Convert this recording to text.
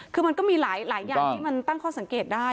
คือมันก็มีหลายอย่างที่มันตั้งข้อสังเกตได้